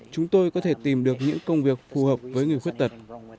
chúng tôi có thể tìm được những công việc phù hợp với người khuyết tật